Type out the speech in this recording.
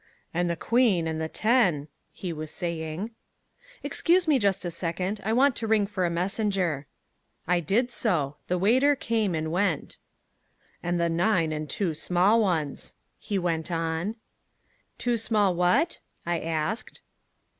"And the queen and the ten " he was saying. "Excuse me just a second; I want to ring for a messenger." I did so. The waiter came and went. "And the nine and two small ones," he went on. "Two small what?" I asked.